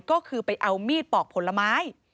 ก็คือไปเอามีดปอกผลไม้